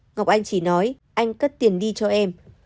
ngọc anh chỉ nói anh cắt tiền đi cho em